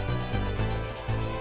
kita bikinnya banyak juga